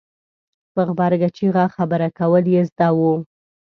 په غبرګه چېغه خبره کول یې زده وو.